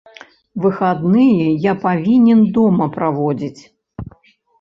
Выхадныя я павінен дома праводзіць.